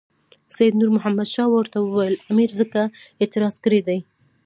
سید نور محمد شاه ورته وویل امیر ځکه اعتراض کړی دی.